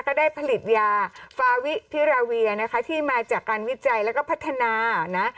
ก็ได้ผลิตยาฟาวิพิราเวียนะคะที่มาจากการวิจัยแล้วก็พัฒนานะ